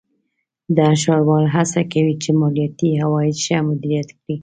هر ښاروال هڅه کوي چې مالیاتي عواید ښه مدیریت کړي.